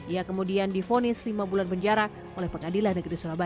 ia kemudian difonis lima bulan penjara oleh pengadilan negeri surabaya